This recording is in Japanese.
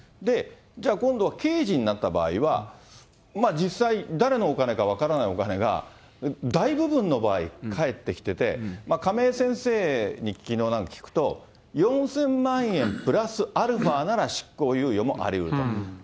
じゃあ今度刑事になった場合は実際、誰のお金か分からないお金が、大部分の場合返ってきてて、亀井先生にきのうなんか聞くと、４０００万円プラスアルファなら執行猶予もありうると。